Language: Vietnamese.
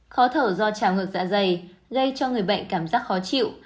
khó thở do chảo ngược dạ dày gây cho người bệnh cảm giác khó chịu